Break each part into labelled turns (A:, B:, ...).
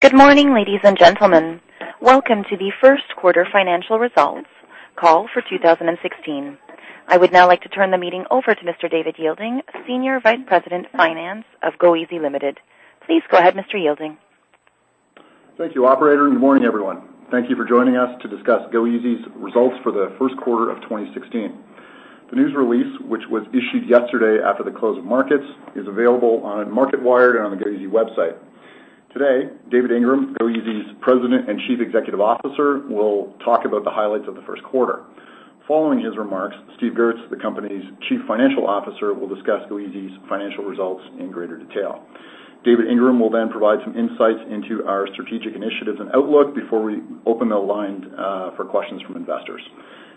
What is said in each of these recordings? A: Good morning, ladies and gentlemen. Welcome to the first quarter financial results call for two thousand and sixteen. I would now like to turn the meeting over to Mr. David Yeilding, Senior Vice President, Finance of goeasy Ltd. Please go ahead, Mr. Yeilding.
B: Thank you, operator. Good morning, everyone. Thank you for joining us to discuss goeasy's results for the first quarter of twenty sixteen. The news release, which was issued yesterday after the close of markets, is available on Marketwire and on the goeasy website. Today, David Ingram, goeasy's President and Chief Executive Officer, will talk about the highlights of the first quarter. Following his remarks, Steve Goertz, the company's Chief Financial Officer, will discuss goeasy's financial results in greater detail. David Ingram will then provide some insights into our strategic initiatives and outlook before we open the line for questions from investors.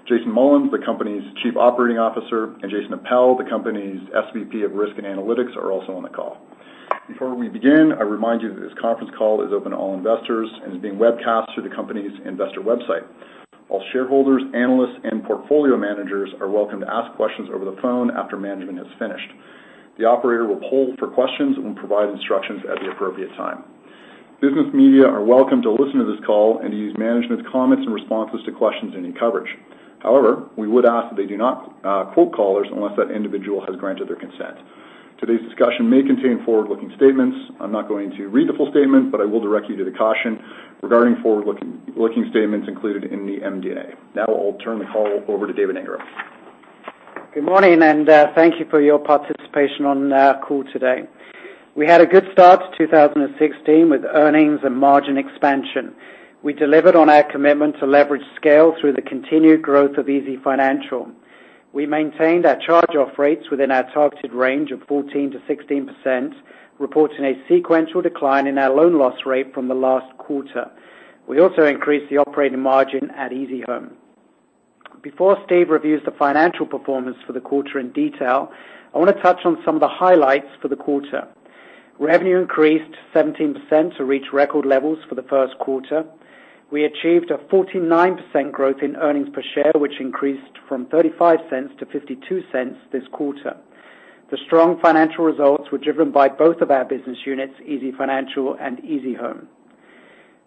B: Jason Mullins, the company's Chief Operating Officer, and Jason Appel, the company's SVP of Risk and Analytics, are also on the call. Before we begin, I remind you that this conference call is open to all investors and is being webcast through the company's investor website. All shareholders, analysts, and portfolio managers are welcome to ask questions over the phone after management has finished. The operator will poll for questions and provide instructions at the appropriate time. Business media are welcome to listen to this call and use management's comments and responses to questions in your coverage. However, we would ask that they do not quote callers unless that individual has granted their consent. Today's discussion may contain forward-looking statements. I'm not going to read the full statement, but I will direct you to the caution regarding forward-looking statements included in the MD&A. Now, I'll turn the call over to David Ingram.
C: Good morning, and thank you for your participation on our call today. We had a good start to 2016 with earnings and margin expansion. We delivered on our commitment to leverage scale through the continued growth of easyfinancial. We maintained our charge-off rates within our targeted range of 14%-16%, reporting a sequential decline in our loan loss rate from the last quarter. We also increased the operating margin at easyhome. Before Steve reviews the financial performance for the quarter in detail, I want to touch on some of the highlights for the quarter. Revenue increased 17% to reach record levels for the first quarter. We achieved a 49% growth in earnings per share, which increased from C$0.35 to C$0.52 this quarter. The strong financial results were driven by both of our business units, easyfinancial and easyhome.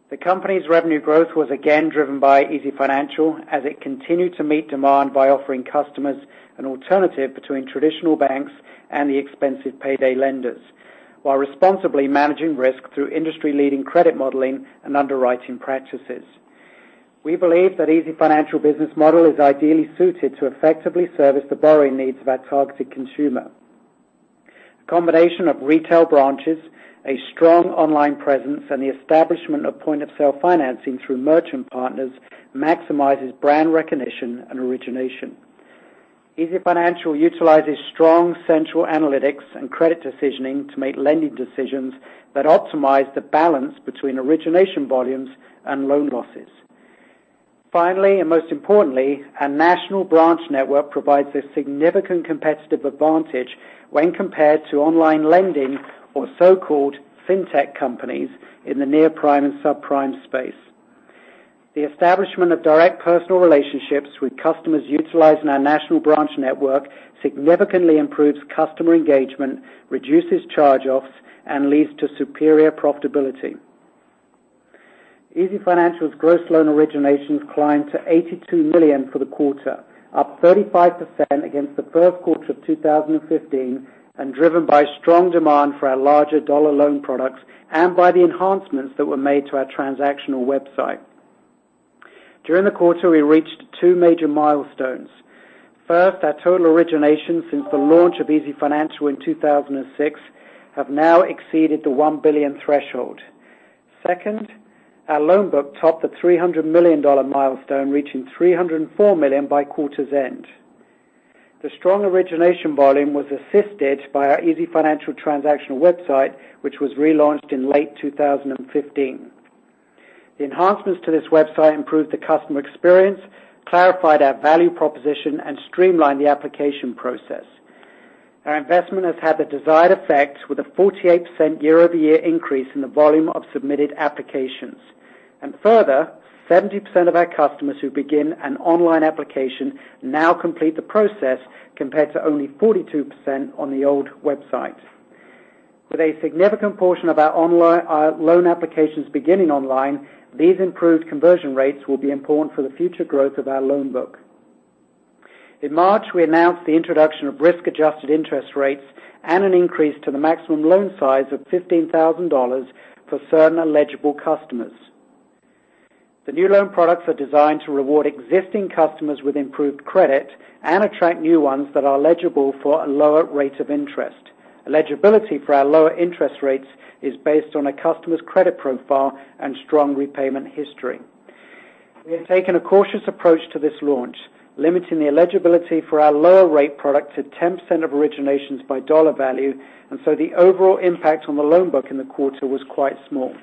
C: The company's revenue growth was again driven by easyfinancial, as it continued to meet demand by offering customers an alternative between traditional banks and the expensive payday lenders, while responsibly managing risk through industry-leading credit modeling and underwriting practices. We believe that easyfinancial business model is ideally suited to effectively service the borrowing needs of our targeted consumer. A combination of retail branches, a strong online presence, and the establishment of point-of-sale financing through merchant partners maximizes brand recognition and origination. easyfinancial utilizes strong central analytics and credit decisioning to make lending decisions that optimize the balance between origination volumes and loan losses. Finally, and most importantly, our national branch network provides a significant competitive advantage when compared to online lending or so-called fintech companies in the near-prime and subprime space. The establishment of direct personal relationships with customers utilizing our national branch network significantly improves customer engagement, reduces charge-offs, and leads to superior profitability. easyfinancial's gross loan originations climbed to 82 million for the quarter, up 35% against the first quarter of two thousand and fifteen, and driven by strong demand for our larger dollar loan products and by the enhancements that were made to our transactional website. During the quarter, we reached two major milestones. First, our total originations since the launch of easyfinancial in two thousand and six have now exceeded the 1 billion threshold. Second, our loan book topped the 300 million dollar milestone, reaching 304 million by quarter's end. The strong origination volume was assisted by our easyfinancial transactional website, which was relaunched in late two thousand and fifteen. The enhancements to this website improved the customer experience, clarified our value proposition, and streamlined the application process. Our investment has had the desired effect, with a 48% year-over-year increase in the volume of submitted applications. And further, 70% of our customers who begin an online application now complete the process, compared to only 42% on the old website. With a significant portion of our online loan applications beginning online, these improved conversion rates will be important for the future growth of our loan book. In March, we announced the introduction of risk-adjusted interest rates and an increase to the maximum loan size of 15,000 dollars for certain eligible customers. The new loan products are designed to reward existing customers with improved credit and attract new ones that are eligible for a lower rate of interest. Eligibility for our lower interest rates is based on a customer's credit profile and strong repayment history. We have taken a cautious approach to this launch, limiting the eligibility for our lower rate product to 10% of originations by dollar value, and so the overall impact on the loan book in the quarter was quite small.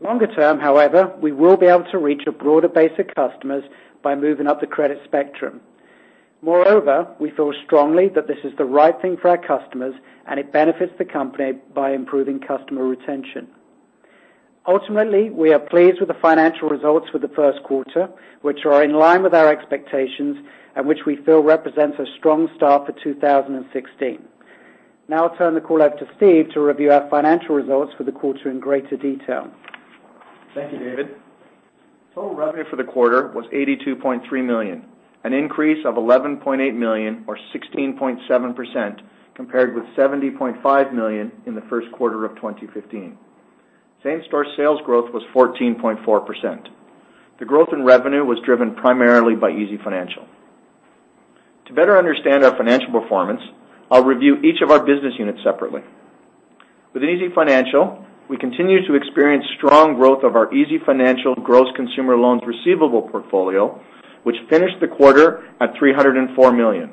C: Longer term, however, we will be able to reach a broader base of customers by moving up the credit spectrum. Moreover, we feel strongly that this is the right thing for our customers, and it benefits the company by improving customer retention... Ultimately, we are pleased with the financial results for the first quarter, which are in line with our expectations and which we feel represents a strong start for two thousand and sixteen. Now I'll turn the call out to Steve to review our financial results for the quarter in greater detail.
D: Thank you, David. Total revenue for the quarter was 82.3 million, an increase of 11.8 million, or 16.7%, compared with 70.5 million in the first quarter of twenty fifteen. Same-store sales growth was 14.4%. The growth in revenue was driven primarily by easyfinancial. To better understand our financial performance, I'll review each of our business units separately. With easyfinancial, we continue to experience strong growth of our easyfinancial gross consumer loans receivable portfolio, which finished the quarter at 304 million,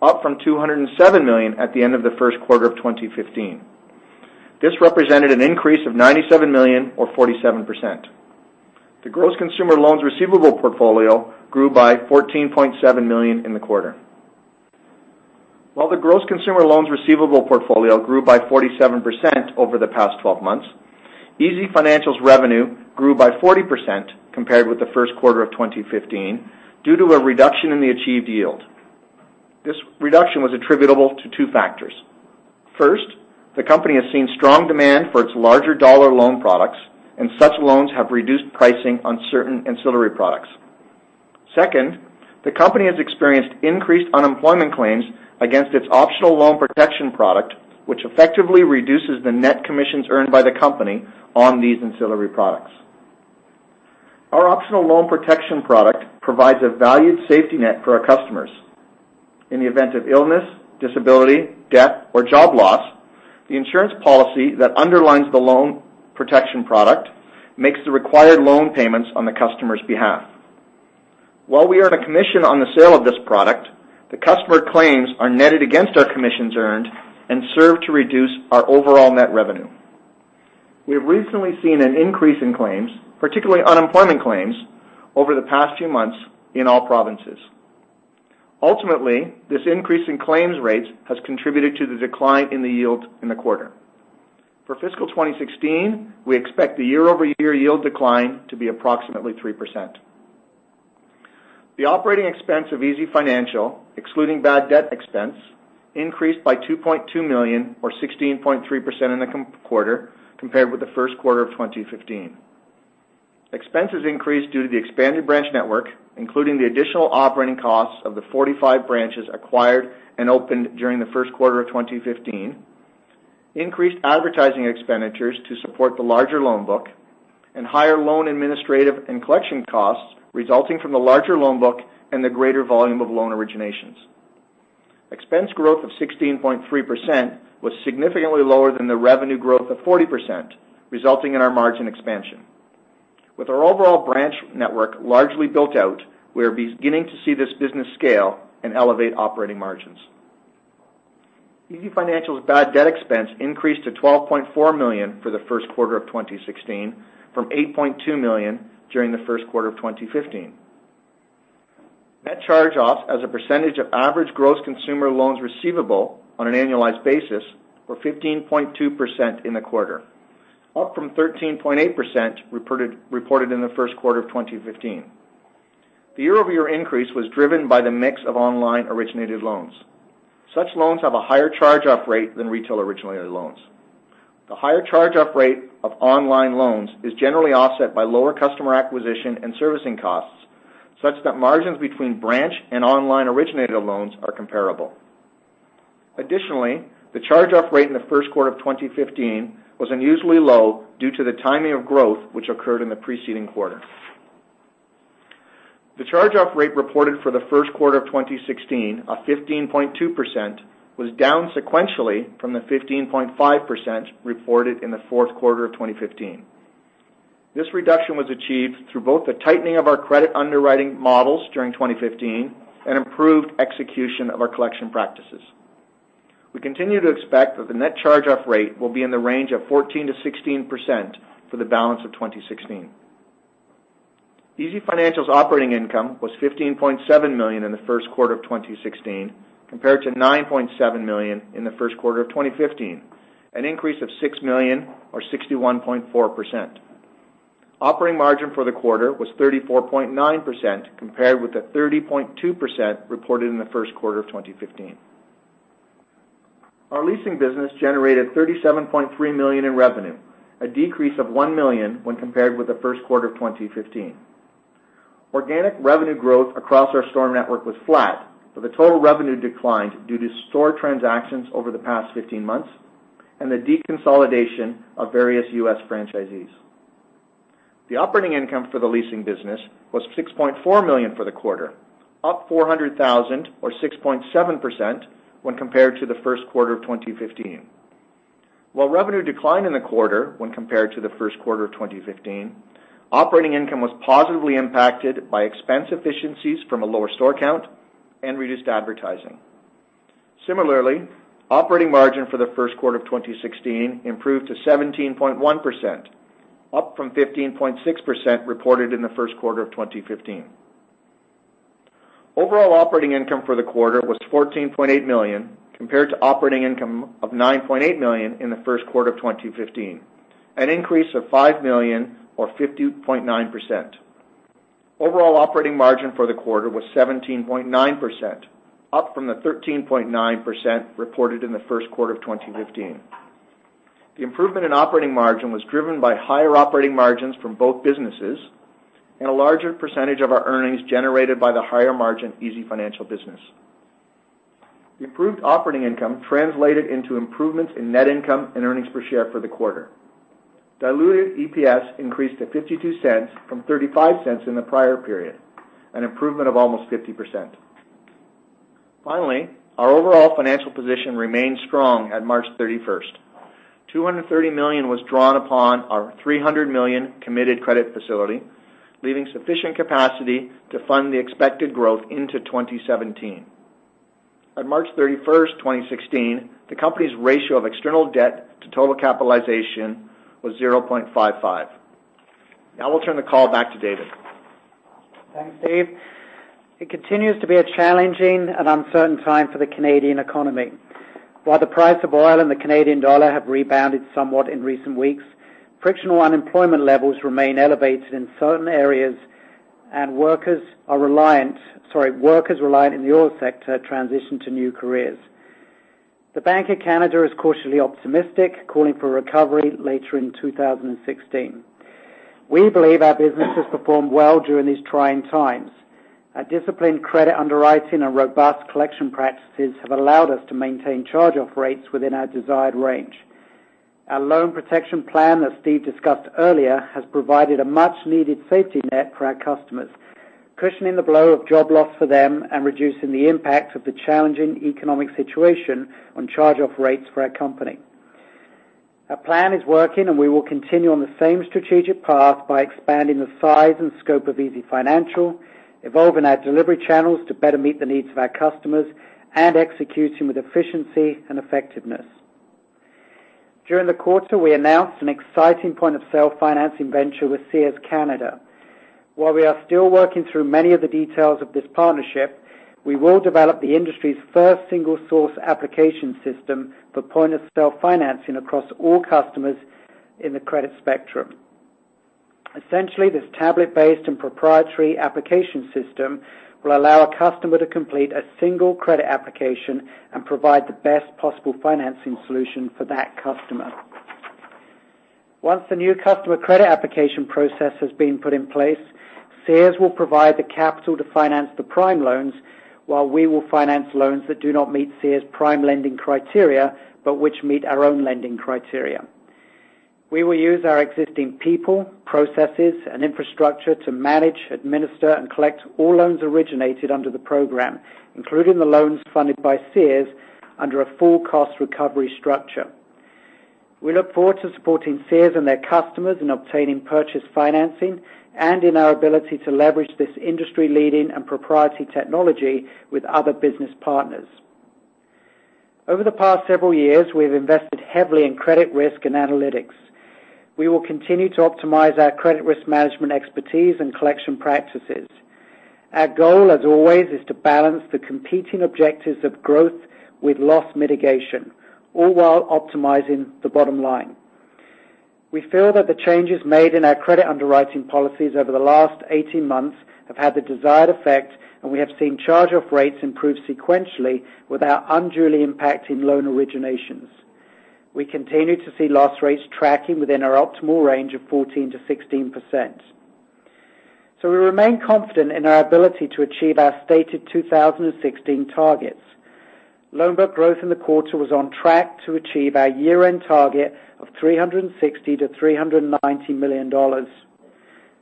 D: up from 207 million at the end of the first quarter of twenty fifteen. This represented an increase of 97 million or 47%. The gross consumer loans receivable portfolio grew by 14.7 million in the quarter. While the gross consumer loans receivable portfolio grew by 47% over the past 12 months, easyfinancial's revenue grew by 40% compared with the first quarter of 2015, due to a reduction in the achieved yield. This reduction was attributable to two factors: First, the company has seen strong demand for its larger dollar loan products, and such loans have reduced pricing on certain ancillary products. Second, the company has experienced increased unemployment claims against its optional loan protection product, which effectively reduces the net commissions earned by the company on these ancillary products. Our optional loan protection product provides a valued safety net for our customers. In the event of illness, disability, death, or job loss, the insurance policy that underlies the loan protection product makes the required loan payments on the customer's behalf. While we earn a commission on the sale of this product, the customer claims are netted against our commissions earned and serve to reduce our overall net revenue. We have recently seen an increase in claims, particularly unemployment claims, over the past few months in all provinces. Ultimately, this increase in claims rates has contributed to the decline in the yield in the quarter. For fiscal 2016, we expect the year-over-year yield decline to be approximately 3%. The operating expense of easyfinancial, excluding bad debt expense, increased by 2.2 million or 16.3% in the quarter compared with the first quarter of 2015. Expenses increased due to the expanded branch network, including the additional operating costs of the 45 branches acquired and opened during the first quarter of 2015, increased advertising expenditures to support the larger loan book, and higher loan administrative and collection costs resulting from the larger loan book and the greater volume of loan originations. Expense growth of 16.3% was significantly lower than the revenue growth of 40%, resulting in our margin expansion. With our overall branch network largely built out, we are beginning to see this business scale and elevate operating margins. easyfinancial's bad debt expense increased to 12.4 million for the first quarter of 2016, from 8.2 million during the first quarter of 2015. Net charge-offs as a percentage of average gross consumer loans receivable on an annualized basis were 15.2% in the quarter, up from 13.8% reported in the first quarter of 2015. The year-over-year increase was driven by the mix of online-originated loans. Such loans have a higher charge-off rate than retail-originated loans. The higher charge-off rate of online loans is generally offset by lower customer acquisition and servicing costs, such that margins between branch and online-originated loans are comparable. Additionally, the charge-off rate in the first quarter of 2015 was unusually low due to the timing of growth, which occurred in the preceding quarter. The charge-off rate reported for the first quarter of 2016, of 15.2%, was down sequentially from the 15.5% reported in the fourth quarter of 2015. This reduction was achieved through both the tightening of our credit underwriting models during 2015 and improved execution of our collection practices. We continue to expect that the net charge-off rate will be in the range of 14%-16% for the balance of 2016. easyfinancial's operating income was $15.7 million in the first quarter of 2016, compared to $9.7 million in the first quarter of 2015, an increase of $6 million or 61.4%. Operating margin for the quarter was 34.9%, compared with the 30.2% reported in the first quarter of 2015. Our leasing business generated $37.3 million in revenue, a decrease of $1 million when compared with the first quarter of 2015. Organic revenue growth across our store network was flat, but the total revenue declined due to store transactions over the past fifteen months and the deconsolidation of various U.S. franchisees. The operating income for the leasing business was 6.4 million for the quarter, up 400,000 or 6.7% when compared to the first quarter of twenty fifteen. While revenue declined in the quarter when compared to the first quarter of twenty fifteen, operating income was positively impacted by expense efficiencies from a lower store count and reduced advertising. Similarly, operating margin for the first quarter of 2016 improved to 17.1%, up from 15.6% reported in the first quarter of 2015. Overall operating income for the quarter was 14.8 million, compared to operating income of 9.8 million in the first quarter of 2015, an increase of 5 million or 50.9%. Overall operating margin for the quarter was 17.9%, up from the 13.9% reported in the first quarter of 2015. The improvement in operating margin was driven by higher operating margins from both businesses and a larger percentage of our earnings generated by the higher margin easyfinancial business. The improved operating income translated into improvements in net income and earnings per share for the quarter. Diluted EPS increased to 0.52 from 0.35 in the prior period, an improvement of almost 50%. Finally, our overall financial position remained strong at March thirty-first. 230 million was drawn upon our 300 million committed credit facility, leaving sufficient capacity to fund the expected growth into 2017. On March thirty-first, 2016, the company's ratio of external debt to total capitalization was 0.55. Now I will turn the call back to David.
C: Thanks, Steve. It continues to be a challenging and uncertain time for the Canadian economy. While the price of oil and the Canadian dollar have rebounded somewhat in recent weeks, frictional unemployment levels remain elevated in certain areas, and workers in the oil sector transition to new careers. The Bank of Canada is cautiously optimistic, calling for a recovery later in two thousand and sixteen. We believe our business has performed well during these trying times. Our disciplined credit underwriting and robust collection practices have allowed us to maintain charge-off rates within our desired range. Our loan protection plan, as Steve discussed earlier, has provided a much-needed safety net for our customers, cushioning the blow of job loss for them and reducing the impact of the challenging economic situation on charge-off rates for our company. Our plan is working, and we will continue on the same strategic path by expanding the size and scope of easyfinancial, evolving our delivery channels to better meet the needs of our customers, and executing with efficiency and effectiveness. During the quarter, we announced an exciting point-of-sale financing venture with Sears Canada. While we are still working through many of the details of this partnership, we will develop the industry's first single source application system for point-of-sale financing across all customers in the credit spectrum. Essentially, this tablet-based and proprietary application system will allow a customer to complete a single credit application and provide the best possible financing solution for that customer. Once the new customer credit application process has been put in place, Sears will provide the capital to finance the prime loans, while we will finance loans that do not meet Sears' prime lending criteria, but which meet our own lending criteria. We will use our existing people, processes, and infrastructure to manage, administer, and collect all loans originated under the program, including the loans funded by Sears, under a full cost recovery structure. We look forward to supporting Sears and their customers in obtaining purchase financing and in our ability to leverage this industry-leading and proprietary technology with other business partners. Over the past several years, we've invested heavily in credit risk and analytics. We will continue to optimize our credit risk management expertise and collection practices. Our goal, as always, is to balance the competing objectives of growth with loss mitigation, all while optimizing the bottom line. We feel that the changes made in our credit underwriting policies over the last 18 months have had the desired effect, and we have seen charge-off rates improve sequentially without unduly impacting loan originations. We continue to see loss rates tracking within our optimal range of 14%-16%. So we remain confident in our ability to achieve our stated 2016 targets. Loan book growth in the quarter was on track to achieve our year-end target of 360 million-390 million dollars.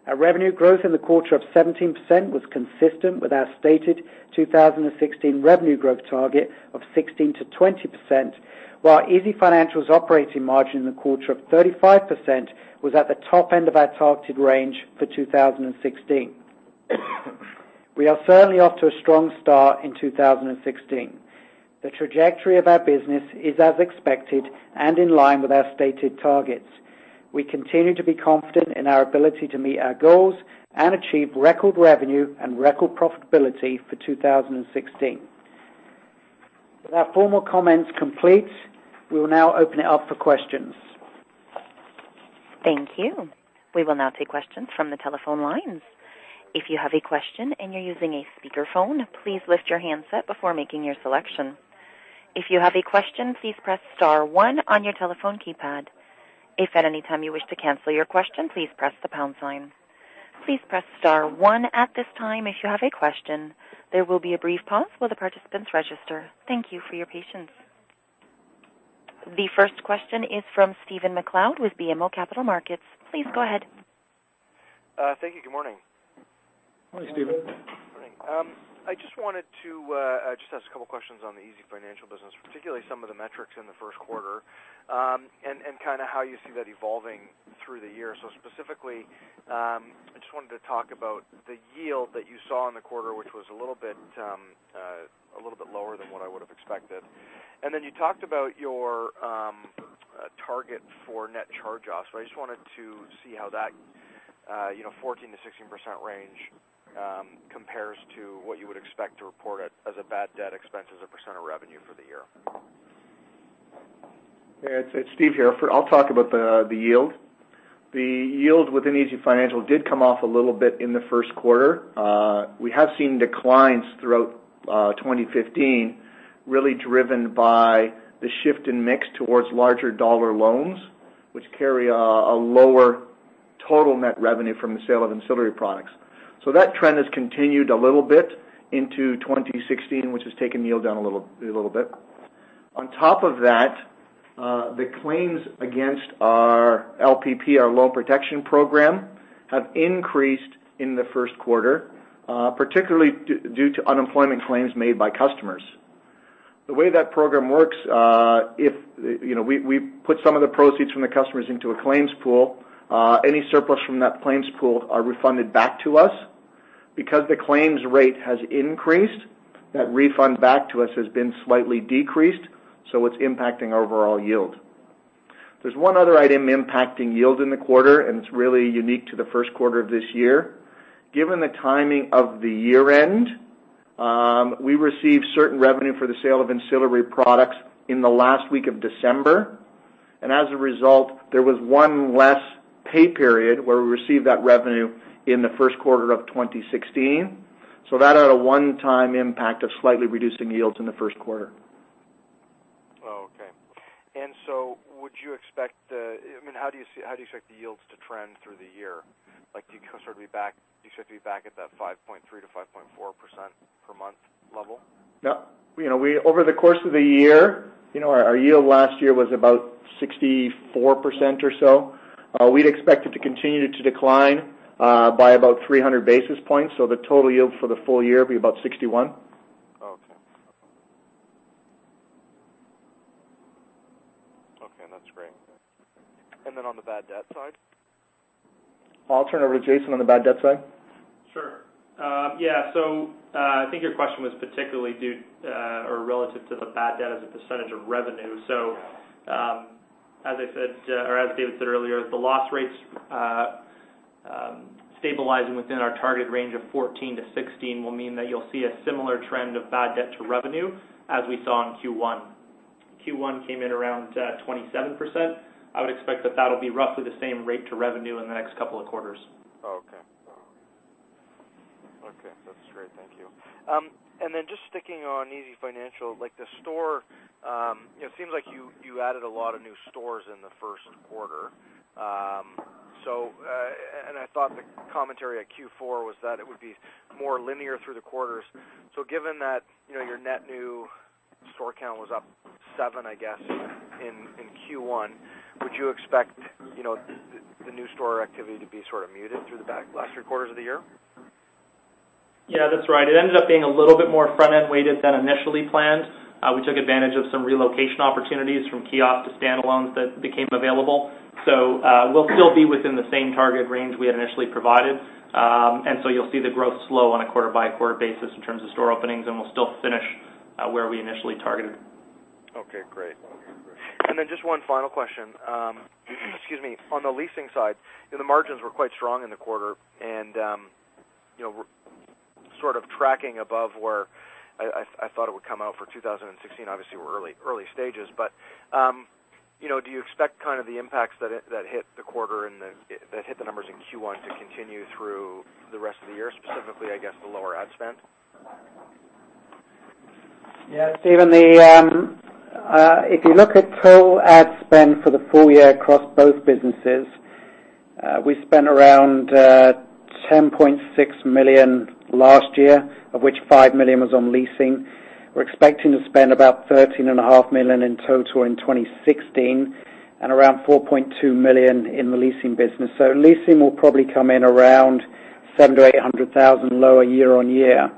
C: Our revenue growth in the quarter of 17% was consistent with our stated 2016 revenue growth target of 16%-20%, while easyfinancial's operating margin in the quarter of 35% was at the top end of our targeted range for 2016. We are certainly off to a strong start in 2016. The trajectory of our business is as expected and in line with our stated targets. We continue to be confident in our ability to meet our goals and achieve record revenue and record profitability for 2016. With our formal comments complete, we will now open it up for questions.
A: Thank you. We will now take questions from the telephone lines. If you have a question and you're using a speakerphone, please lift your handset before making your selection. If you have a question, please press star one on your telephone keypad. If at any time you wish to cancel your question, please press the pound sign. Please press star one at this time if you have a question. There will be a brief pause while the participants register. Thank you for your patience. The first question is from Stephen MacLeod with BMO Capital Markets. Please go ahead.
E: Thank you. Good morning.
C: Morning, Steven.
E: I just wanted to just ask a couple questions on the easyfinancial business, particularly some of the metrics in the first quarter, and kind of how you see that evolving through the year, so specifically, I just wanted to talk about the yield that you saw in the quarter, which was a little bit lower than what I would have expected. And then you talked about your a target for net charge-offs. I just wanted to see how that, you know, 14%-16% range compares to what you would expect to report at, as a bad debt expense, as a % of revenue for the year.
D: Yeah, it's Steve here. I'll talk about the yield. The yield within easyfinancial did come off a little bit in the first quarter. We have seen declines throughout twenty fifteen, really driven by the shift in mix towards larger dollar loans, which carry a lower total net revenue from the sale of ancillary products. So that trend has continued a little bit into twenty sixteen, which has taken yield down a little, a little bit. On top of that, the claims against our LPP, our Loan Protection Program, have increased in the first quarter, particularly due to unemployment claims made by customers. The way that program works, you know, we put some of the proceeds from the customers into a claims pool. Any surplus from that claims pool are refunded back to us. Because the claims rate has increased, that refund back to us has been slightly decreased, so it's impacting our overall yield. There's one other item impacting yield in the quarter, and it's really unique to the first quarter of this year. Given the timing of the year-end, we received certain revenue for the sale of ancillary products in the last week of December, and as a result, there was one less pay period where we received that revenue in the first quarter of twenty sixteen. So that had a one-time impact of slightly reducing yields in the first quarter.
E: Oh, okay. And so would you expect... I mean, how do you expect the yields to trend through the year? Like, do you consider to be back, you expect to be back at that 5.3%-5.4% per month level?
D: Yeah. You know, over the course of the year, you know, our yield last year was about 64% or so. We'd expect it to continue to decline by about 300 basis points, so the total yield for the full year will be about 61%.
E: Oh, okay. Okay, that's great. And then on the bad debt side?
D: I'll turn it over to Jason on the bad debt side.
F: Sure. Yeah, so, I think your question was particularly due, or relative to the bad debt as a percentage of revenue. So, as I said, or as David said earlier, the loss rates, stabilizing within our target range of 14-16 will mean that you'll see a similar trend of bad debt to revenue as we saw in Q1. Q1 came in around, 27%. I would expect that that'll be roughly the same rate to revenue in the next couple of quarters.
E: Oh, okay. Okay, that's great. Thank you. And then just sticking on easyfinancial, like the store, it seems like you added a lot of new stores in the first quarter. So, and I thought the commentary at Q4 was that it would be more linear through the quarters. So given that, you know, your net new store count was up seven, I guess, in Q1, would you expect, you know, the new store activity to be sort of muted through the back last three quarters of the year?
F: Yeah, that's right. It ended up being a little bit more front-end weighted than initially planned. We took advantage of some relocation opportunities from kiosk to standalones that became available. So, we'll still be within the same target range we had initially provided. And so you'll see the growth slow on a quarter-by-quarter basis in terms of store openings, and we'll still finish where we initially targeted.
E: Okay, great. And then just one final question. Excuse me. On the leasing side, the margins were quite strong in the quarter and, you know, sort of tracking above where I thought it would come out for two thousand and sixteen. Obviously, we're early stages, but, you know, do you expect kind of the impacts that hit the quarter and that hit the numbers in Q1 to continue through the rest of the year, specifically, I guess, the lower ad spend?
C: Yeah, Steven, if you look at total ad spend for the full year across both businesses, we spent around 10.6 million last year, of which 5 million was on leasing. We're expecting to spend about 13.5 million in total in 2016, and around 4.2 million in the leasing business. So leasing will probably come in around 700,000 to 800,000 lower year on year,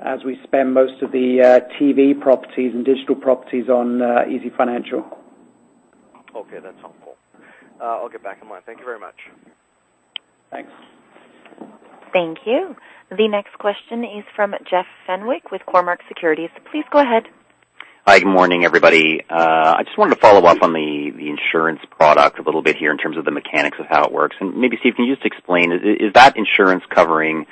C: as we spend most of the TV properties and digital properties on easyfinancial.
E: Okay, that's helpful. I'll get back in line. Thank you very much.
C: Thanks.
A: Thank you. The next question is from Jeff Fenwick with Cormark Securities. Please go ahead.
G: Hi, good morning, everybody. I just wanted to follow up on the insurance product a little bit here in terms of the mechanics of how it works. And maybe, Steve, can you just explain, is that insurance covering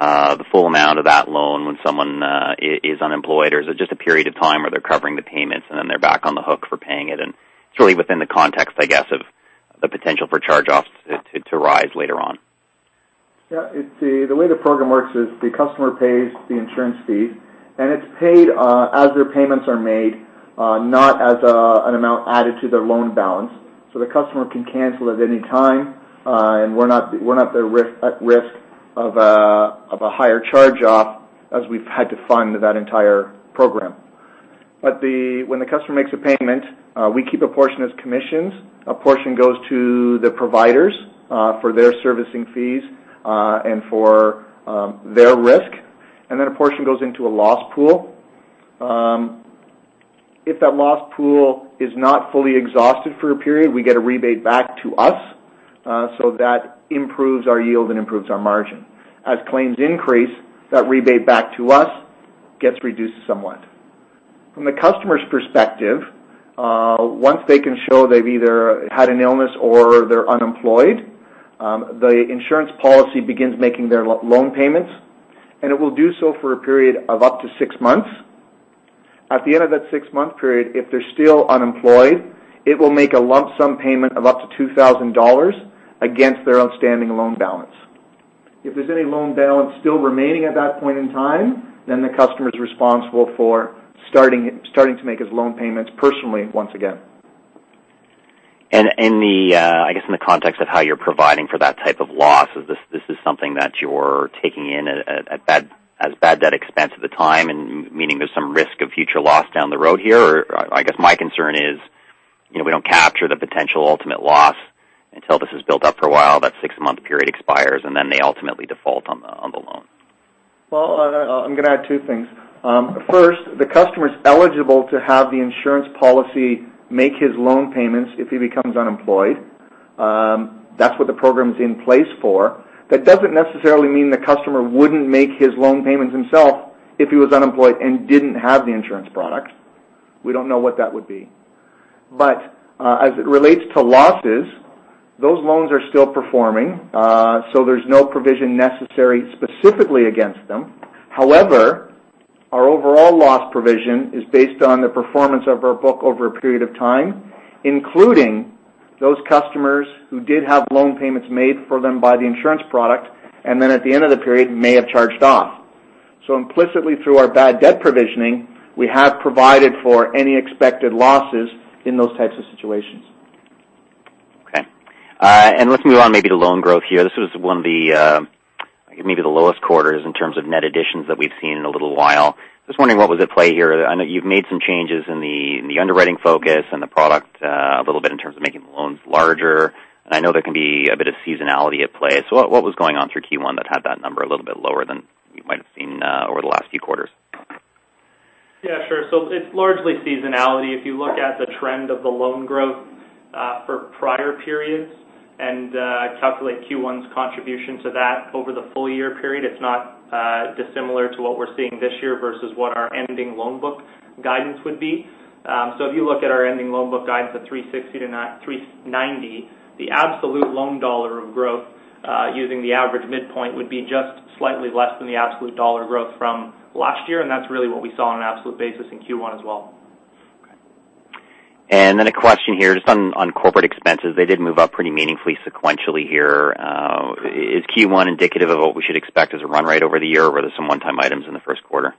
G: the full amount of that loan when someone is unemployed, or is it just a period of time where they're covering the payments, and then they're back on the hook for paying it? And it's really within the context, I guess, of the potential for charge-offs to rise later on.
D: Yeah, it's the way the program works is the customer pays the insurance fee, and it's paid as their payments are made, not as an amount added to their loan balance. So the customer can cancel at any time, and we're not at risk of a higher charge-off, as we've had to fund that entire program. But when the customer makes a payment, we keep a portion as commissions. A portion goes to the providers for their servicing fees and for their risk, and then a portion goes into a loss pool. If that loss pool is not fully exhausted for a period, we get a rebate back to us, so that improves our yield and improves our margin. As claims increase, that rebate back to us gets reduced somewhat. From the customer's perspective, once they can show they've either had an illness or they're unemployed, the insurance policy begins making their loan payments, and it will do so for a period of up to six months. At the end of that six-month period, if they're still unemployed, it will make a lump sum payment of up to 2,000 dollars against their outstanding loan balance. If there's any loan balance still remaining at that point in time, then the customer is responsible for starting to make his loan payments personally once again.
G: In the context of how you're providing for that type of loss, is this something that you're taking as bad debt expense at the time, and meaning there's some risk of future loss down the road here? Or I guess, my concern is, you know, we don't capture the potential ultimate loss until this is built up for a while, that six-month period expires, and then they ultimately default on the loan.
D: I'm gonna add two things. First, the customer is eligible to have the insurance policy make his loan payments if he becomes unemployed. That's what the program is in place for. That doesn't necessarily mean the customer wouldn't make his loan payments himself if he was unemployed and didn't have the insurance product. We don't know what that would be. As it relates to losses, those loans are still performing, so there's no provision necessary specifically against them. However, our overall loss provision is based on the performance of our book over a period of time, including those customers who did have loan payments made for them by the insurance product, and then at the end of the period, may have charged off. Implicitly through our bad debt provisioning, we have provided for any expected losses in those types of situations.
G: Okay. And let's move on maybe to loan growth here. This was one of the, maybe the lowest quarters in terms of net additions that we've seen in a little while. Just wondering what was at play here. I know you've made some changes in the underwriting focus and the product, a little bit in terms of making the loans larger. I know there can be a bit of seasonality at play. So what was going on through Q1 that had that number a little bit lower than you might have seen over the last few quarters? Yeah, sure. So it's largely seasonality. If you look at the trend of the loan growth, for prior periods and calculate Q1's contribution to that over the full year period, it's not dissimilar to what we're seeing this year versus what our ending loan book guidance would be. So if you look at our ending loan book guidance of 360-390, the absolute loan dollar of growth, using the average midpoint, would be just slightly less than the absolute dollar growth from last year, and that's really what we saw on an absolute basis in Q1 as well. Okay. And then a question here, just on corporate expenses. They did move up pretty meaningfully sequentially here. Is Q1 indicative of what we should expect as a run rate over the year, or were there some one-time items in the first quarter?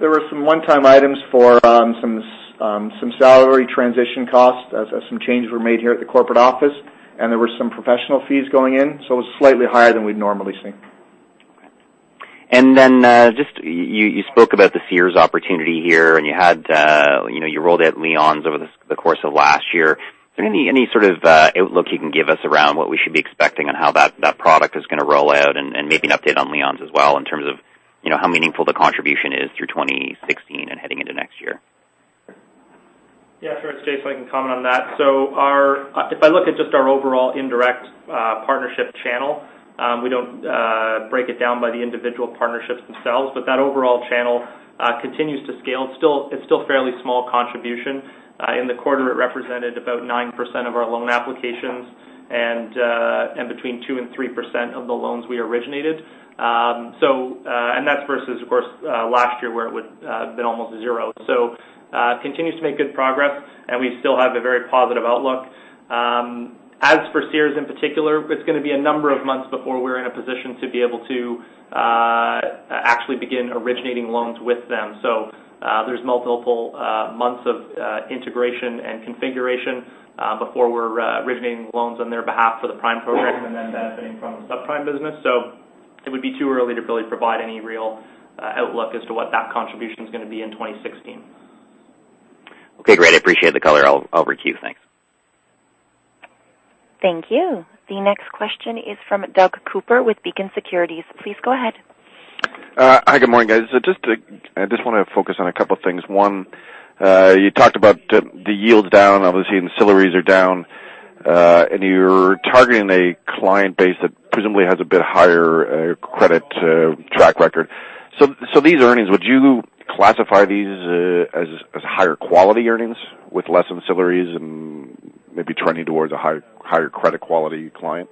D: There were some one-time items for some salary transition costs, as some changes were made here at the corporate office, and there were some professional fees going in, so it was slightly higher than we'd normally see.
G: Okay. And then, just you spoke about the Sears opportunity here, and you had, you know, you rolled out Leon's over the course of last year. Is there any sort of outlook you can give us around what we should be expecting and how that product is gonna roll out? And maybe an update on Leon's as well, in terms of, you know, how meaningful the contribution is through 2016 and heading into next year.
F: Yeah, sure, Jason, I can comment on that. So, if I look at just our overall indirect partnership channel, we don't break it down by the individual partnerships themselves, but that overall channel continues to scale. It's still, it's still fairly small contribution. In the quarter, it represented about 9% of our loan applications and between 2% and 3% of the loans we originated. So, that's versus, of course, last year, where it would been almost zero. So, continues to make good progress, and we still have a very positive outlook. As for Sears in particular, it's gonna be a number of months before we're in a position to be able to actually begin originating loans with them. So, there's multiple months of integration and configuration before we're originating loans on their behalf for the prime program, and then benefiting from the subprime business. So it would be too early to really provide any real outlook as to what that contribution is gonna be in 2016.
G: Okay, great. I appreciate the color. I'll cue. Thanks.
A: Thank you. The next question is from Doug Cooper with Beacon Securities. Please go ahead.
H: Hi, good morning, guys. So I just wanna focus on a couple of things. One, you talked about the yields down. Obviously, ancillaries are down, and you're targeting a client base that presumably has a bit higher credit track record. So these earnings, would you classify these as higher quality earnings with less ancillaries and maybe trending towards a higher credit quality client?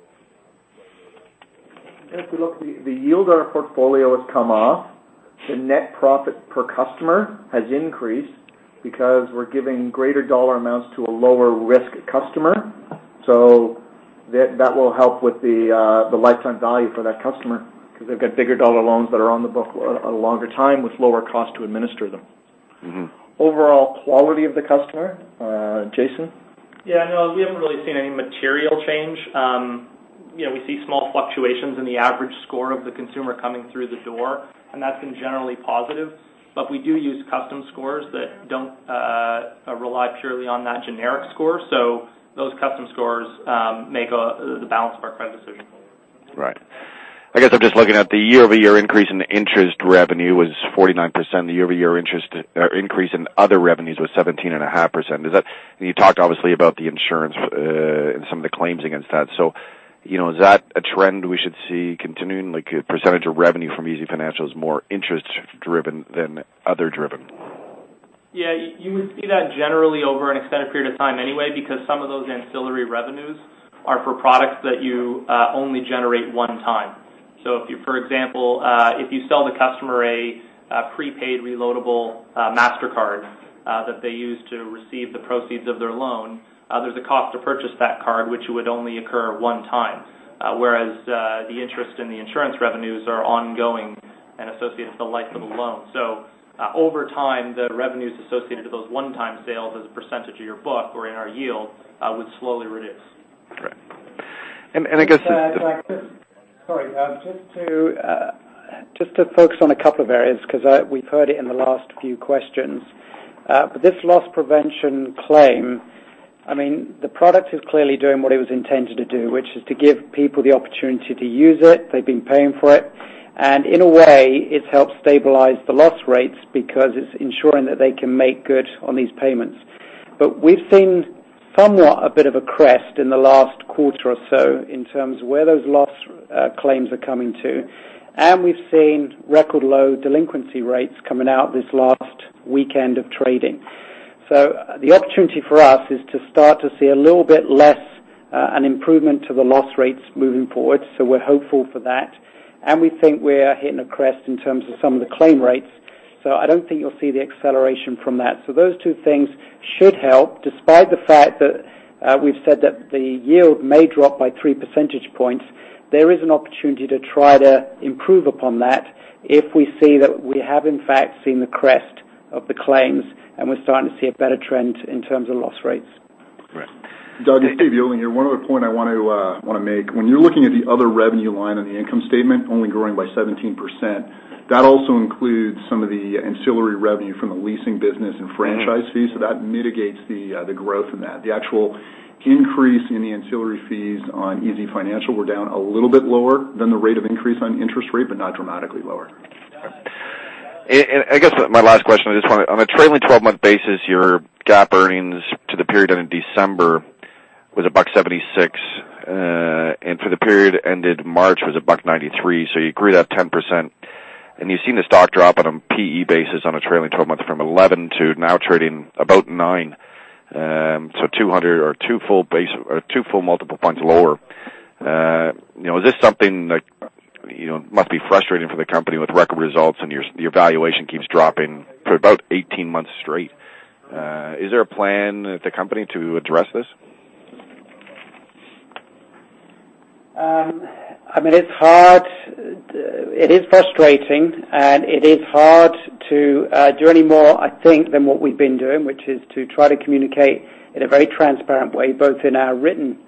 D: If you look, the yield on our portfolio has come off. The net profit per customer has increased because we're giving greater dollar amounts to a lower-risk customer. So that will help with the lifetime value for that customer, because they've got bigger dollar loans that are on the book a longer time with lower cost to administer them.
H: Mm-hmm.
D: Overall quality of the customer, Jason?
F: Yeah, no, we haven't really seen any material change. You know, we see small fluctuations in the average score of the consumer coming through the door, and that's been generally positive. But we do use custom scores that don't rely purely on that generic score. So those custom scores make the balance of our credit decision.
H: Right. I guess I'm just looking at the year-over-year increase in interest revenue was 49%. The year-over-year interest, or increase in other revenues was 17.5%. Is that... You talked, obviously, about the insurance, and some of the claims against that. So, you know, is that a trend we should see continuing, like a percentage of revenue from easyfinancial is more interest-driven than other driven?...
I: Yeah, you would see that generally over an extended period of time anyway, because some of those ancillary revenues are for products that you only generate one time. So if you, for example, if you sell the customer a prepaid reloadable MasterCard that they use to receive the proceeds of their loan, there's a cost to purchase that card, which would only occur one time. Whereas the interest in the insurance revenues are ongoing and associated with the life of the loan. So over time, the revenues associated to those one-time sales as a percentage of your book or in our yield would slowly reduce.
H: Right, and I guess-
C: Sorry, just to focus on a couple of areas, because we've heard it in the last few questions, but this loss prevention claim, I mean, the product is clearly doing what it was intended to do, which is to give people the opportunity to use it. They've been paying for it, and in a way, it's helped stabilize the loss rates because it's ensuring that they can make good on these payments, but we've seen somewhat a bit of a crest in the last quarter or so in terms of where those loss claims are coming to, and we've seen record low delinquency rates coming out this last week's end of trading, so the opportunity for us is to start to see a little bit less, an improvement to the loss rates moving forward, so we're hopeful for that. We think we're hitting a crest in terms of some of the claim rates. I don't think you'll see the acceleration from that. Those two things should help. Despite the fact that, we've said that the yield may drop by three percentage points, there is an opportunity to try to improve upon that if we see that we have, in fact, seen the crest of the claims, and we're starting to see a better trend in terms of loss rates.
H: Right.
B: Doug, it's David Yeilding here. One other point I want to make. When you're looking at the other revenue line on the income statement, only growing by 17%, that also includes some of the ancillary revenue from the leasing business and franchise fees. So that mitigates the growth in that. The actual increase in the ancillary fees on easyfinancial were down a little bit lower than the rate of increase on interest rate, but not dramatically lower.
H: I guess my last question. I just want to... On a trailing twelve-month basis, your GAAP earnings to the period end of December was 1.76, and for the period ended March, was 1.93. So you grew that 10%, and you've seen the stock drop on a PE basis on a trailing twelve-month from 11 to now trading about 9. So two full multiple points lower. You know, is this something that, you know, must be frustrating for the company with record results and your, your valuation keeps dropping for about 18 months straight. Is there a plan at the company to address this?
C: I mean, it's hard. It is frustrating, and it is hard to do any more, I think, than what we've been doing, which is to try to communicate in a very transparent way, both in our written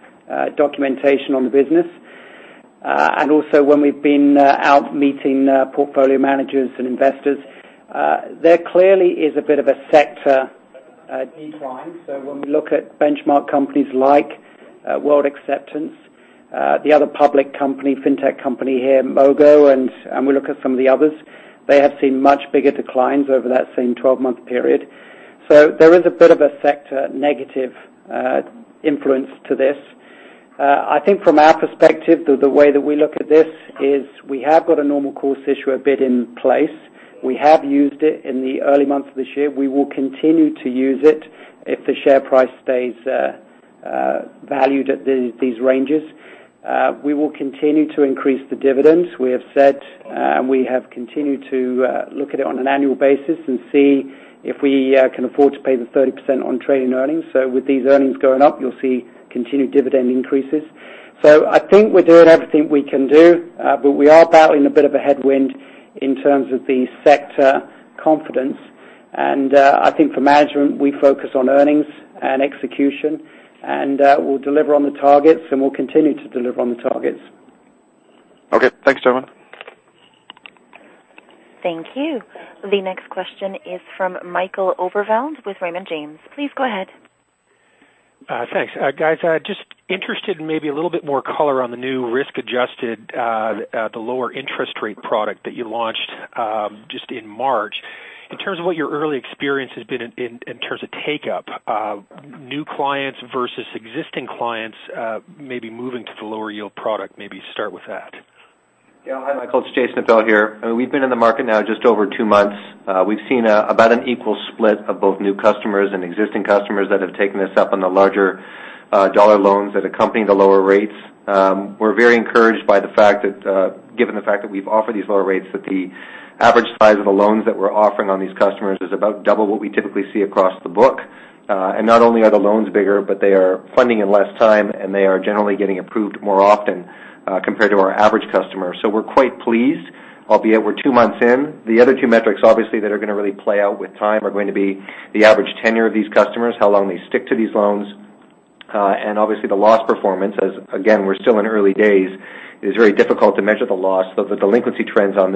C: documentation on the business, and also when we've been out meeting portfolio managers and investors. There clearly is a bit of a sector decline. So when we look at benchmark companies like World Acceptance, the other public company, fintech company here, Mogo, and we look at some of the others, they have seen much bigger declines over that same twelve-month period. So there is a bit of a sector negative influence to this. I think from our perspective, the way that we look at this is we have got a normal course issue, a bid in place. We have used it in the early months of this year. We will continue to use it if the share price stays valued at these ranges. We will continue to increase the dividends. We have said, and we have continued to look at it on an annual basis and see if we can afford to pay the 30% on trading earnings, so with these earnings going up, you'll see continued dividend increases, so I think we're doing everything we can do, but we are battling a bit of a headwind in terms of the sector confidence, and I think for management, we focus on earnings and execution, and we'll deliver on the targets, and we'll continue to deliver on the targets.
H: Okay. Thanks so much.
A: Thank you. The next question is from Michael Overveld with Raymond James. Please go ahead.
J: Thanks. Guys, just interested in maybe a little bit more color on the new risk-adjusted, the lower interest rate product that you launched, just in March. In terms of what your early experience has been in terms of take-up, new clients versus existing clients, maybe moving to the lower yield product, maybe start with that.
I: Yeah. Hi, Michael, it's Jason Appel here. I mean, we've been in the market now just over two months. We've seen about an equal split of both new customers and existing customers that have taken this up on the larger dollar loans that accompany the lower rates. We're very encouraged by the fact that, given the fact that we've offered these lower rates, that the average size of the loans that we're offering on these customers is about double what we typically see across the book. And not only are the loans bigger, but they are funding in less time, and they are generally getting approved more often, compared to our average customer. So we're quite pleased, albeit we're two months in. The other two metrics, obviously, that are going to really play out with time, are going to be the average tenure of these customers, how long they stick to these loans, and obviously, the loss performance. As again, we're still in early days, it is very difficult to measure the loss, but the delinquency trends on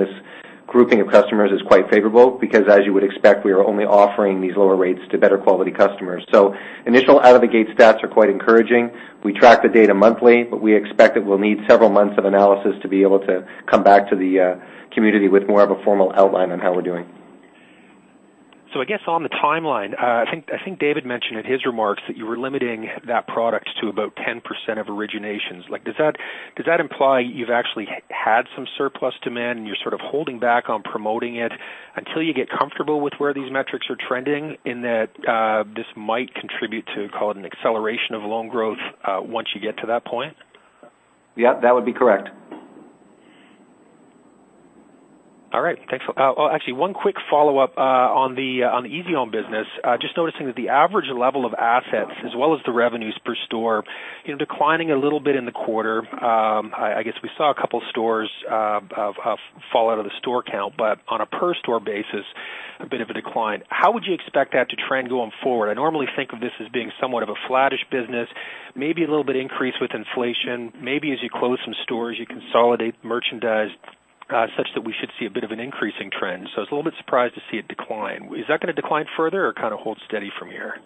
I: this grouping of customers is quite favorable because, as you would expect, we are only offering these lower rates to better quality customers. So initial out of the gate stats are quite encouraging. We track the data monthly, but we expect that we'll need several months of analysis to be able to come back to the community with more of a formal outline on how we're doing.
J: I guess on the timeline, I think David mentioned in his remarks that you were limiting that product to about 10% of originations. Like, does that imply you've actually had some surplus demand, and you're sort of holding back on promoting it until you get comfortable with where these metrics are trending, in that this might contribute to, call it, an acceleration of loan growth once you get to that point?
D: Yep, that would be correct.
J: All right. Thanks. Actually, one quick follow-up on the easyhome business. Just noticing that the average level of assets as well as the revenues per store, you know, declining a little bit in the quarter. I guess we saw a couple stores fall out of the store count, but on a per store basis, a bit of a decline. How would you expect that to trend going forward? I normally think of this as being somewhat of a flattish business, maybe a little bit increase with inflation, maybe as you close some stores, you consolidate merchandise such that we should see a bit of an increasing trend. So I was a little bit surprised to see a decline. Is that gonna decline further or kinda hold steady from here?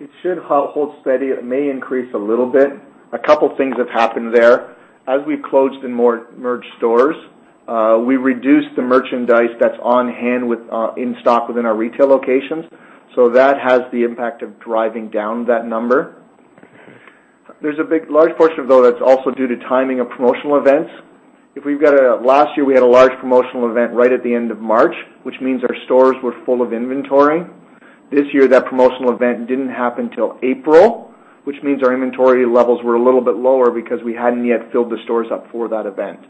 D: It should hold steady. It may increase a little bit. A couple things have happened there. As we've closed and more merged stores, we reduced the merchandise that's on hand with, in stock within our retail locations, so that has the impact of driving down that number. There's a big, large portion, though, that's also due to timing of promotional events. Last year, we had a large promotional event right at the end of March, which means our stores were full of inventory. This year, that promotional event didn't happen till April, which means our inventory levels were a little bit lower because we hadn't yet filled the stores up for that event.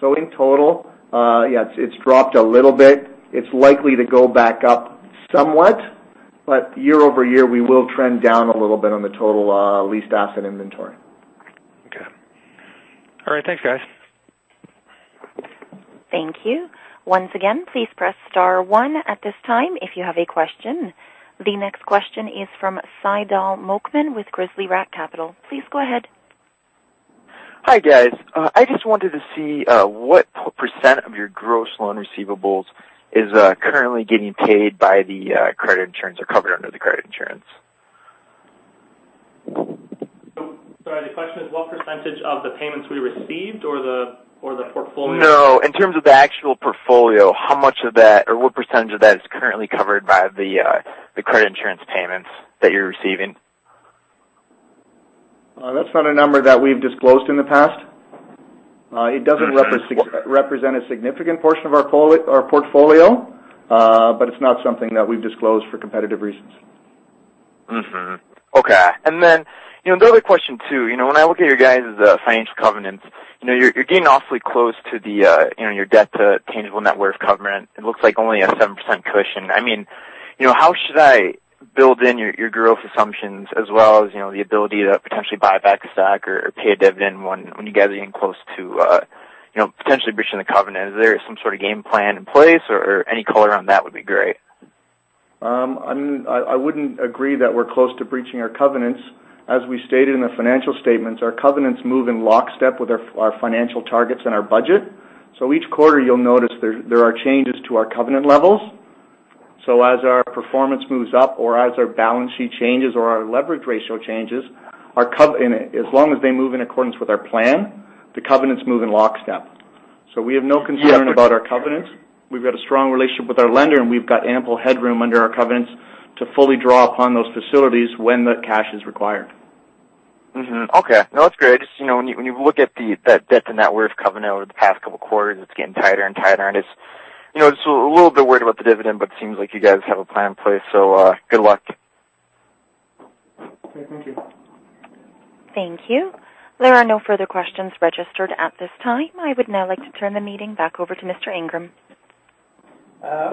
D: So in total, yes, it's dropped a little bit. It's likely to go back up somewhat, but year over year, we will trend down a little bit on the total, leased asset inventory.
J: Okay. All right. Thanks, guys.
A: Thank you. Once again, please press star one at this time if you have a question. The next question is from Kyle Mok with Grizzly Rock Capital. Please go ahead.
K: Hi, guys. I just wanted to see what % of your gross loan receivables is currently getting paid by the credit insurance or covered under the credit insurance?
D: Sorry, the question is, what percentage of the payments we received or the portfolio?
K: No, in terms of the actual portfolio, how much of that or what percentage of that is currently covered by the credit insurance payments that you're receiving?
D: That's not a number that we've disclosed in the past. It doesn't represent-
K: Okay.
D: represent a significant portion of our portfolio, but it's not something that we've disclosed for competitive reasons.
K: Okay, and then, you know, the other question, too, you know, when I look at your guys' financial covenants, you know, you're getting awfully close to the, you know, your debt to tangible net worth covenant. It looks like only a 7% cushion. I mean, you know, how should I build in your growth assumptions as well as, you know, the ability to potentially buy back a stock or pay a dividend when you guys are getting close to, you know, potentially breaching the covenant? Is there some sort of game plan in place or any color on that would be great.
D: I wouldn't agree that we're close to breaching our covenants. As we stated in the financial statements, our covenants move in lockstep with our financial targets and our budget. So each quarter, you'll notice there are changes to our covenant levels. So as our performance moves up, or as our balance sheet changes or our leverage ratio changes, and as long as they move in accordance with our plan, the covenants move in lockstep. So we have no concern about our covenants. We've got a strong relationship with our lender, and we've got ample headroom under our covenants to fully draw upon those facilities when the cash is required.
K: Mm-hmm. Okay. No, that's great. Just, you know, when you look at that debt to net worth covenant over the past couple quarters, it's getting tighter and tighter, and you know, it's a little bit worried about the dividend, but it seems like you guys have a plan in place, so good luck.
D: Okay. Thank you.
A: Thank you. There are no further questions registered at this time. I would now like to turn the meeting back over to Mr. Ingram.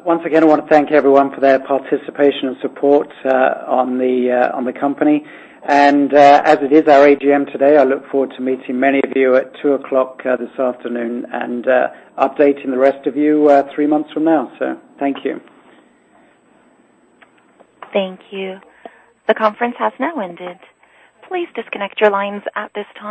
C: Once again, I want to thank everyone for their participation and support on the company, and as it is our AGM today, I look forward to meeting many of you at 2:00 P.M. this afternoon and updating the rest of you three months from now, so thank you.
A: Thank you. The conference has now ended. Please disconnect your lines at this time.